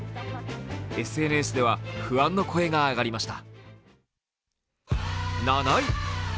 ＳＮＳでは、不安の声が上がりました。